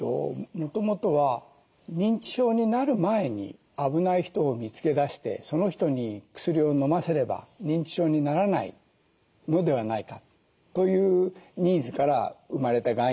もともとは認知症になる前に危ない人を見つけ出してその人に薬を飲ませれば認知症にならないのではないかというニーズから生まれた概念なんです。